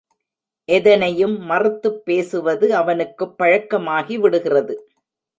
எதனையும் மறுத்துப் பேசுவது அவனுக்குப் பழக்கமாகிவிடுகிறது.